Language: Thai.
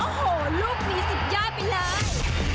โอ้โหลูกหนีสุดย้ายไปเลย